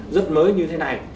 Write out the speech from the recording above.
rất mới như thế này